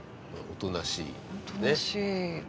おとなしい。